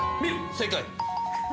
正解。